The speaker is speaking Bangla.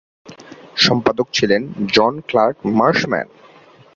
সম্পাদক ছিলেন জন ক্লার্ক মার্শম্যান।